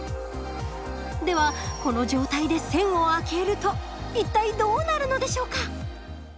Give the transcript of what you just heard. ではこの状態で栓を開けると一体どうなるのでしょうか？